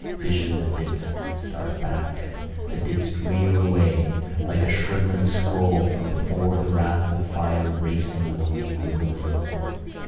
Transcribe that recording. vision that didst start back that didst reel away like a shrivelling scroll from before the wrath of fire racing on the wings of the wind!